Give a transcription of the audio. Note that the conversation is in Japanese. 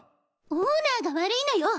オーナーが悪いのよ！